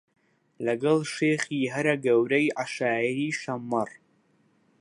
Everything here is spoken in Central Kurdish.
لەگەڵ شێخی هەرە گەورەی عەشایری شەممەڕ